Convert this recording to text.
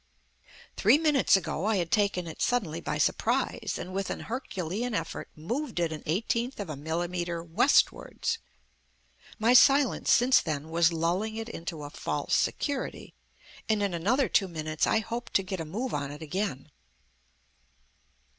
Three minutes ago I had taken it suddenly by surprise and with an Herculean effort moved it an eighteenth of a millimetre westwards. My silence since then was lulling it into a false security, and in another two minutes I hoped to get a move on it again.